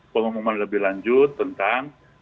pembahasan lebih lanjut tentang